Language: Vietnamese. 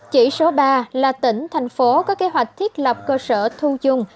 chỉ số ba là tỉnh thành phố có kế hoạch thiết lập cơ sở thu chung